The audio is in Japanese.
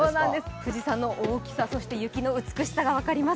富士山の大きさ、そして雪の美しさが分かります。